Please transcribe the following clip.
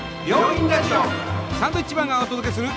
サンドウィッチマンがお届けする。